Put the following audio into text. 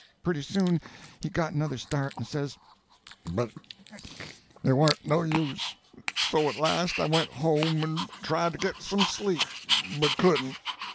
Pretty soon he got another start and says: "But it warn't no use; so at last I went home and tried to get some sleep, but couldn't.